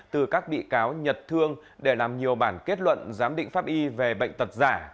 từ các bị cáo nhật thương để làm nhiều bản kết luận giám định pháp y về bệnh tật giả